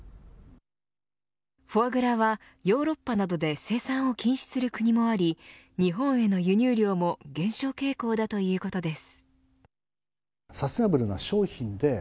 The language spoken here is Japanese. フォアグラはヨーロッパなどで生産を禁止する国もあり日本への輸入量も減少傾向だということです。